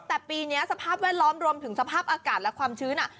แต่ปีนี้สภาพแวดล้อมรวมถึงสภาพอากาศและความชื้น